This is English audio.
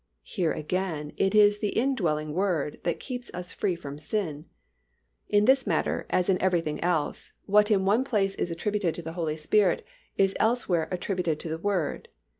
Here again it is the indwelling Word that keeps us free from sin. In this matter as in everything else what in one place is attributed to the Holy Spirit is elsewhere attributed to the Word.